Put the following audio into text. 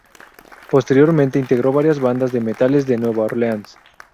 Posteriormente, integró varias bandas de metales de Nueva Orleans.